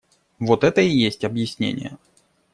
Вот это и есть объяснение.